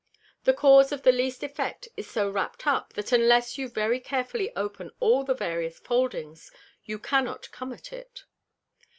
The Cause of the least Effect is so wrap'd up, that unless you very carefully open all the various Foldings, you cannot come at it.